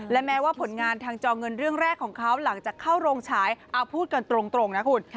และแม้ว่าผลงานทางจอเงินเรื่องแรกของเขาหลังจากเข้าโรงฉายเอาพูดกันตรงนะคุณ